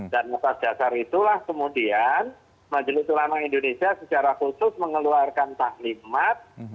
atas dasar itulah kemudian majelis ulama indonesia secara khusus mengeluarkan taklimat